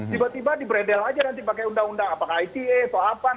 tiba tiba dibrendel aja nanti pakai undang undang apakah ite apa apa